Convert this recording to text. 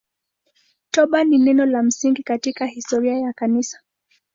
Toba ni neno la msingi katika historia ya Kanisa.